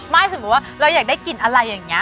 สมมุติว่าเราอยากได้กลิ่นอะไรอย่างนี้